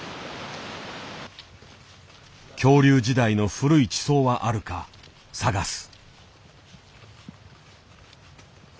恐竜時代の古い地層はあるか探す。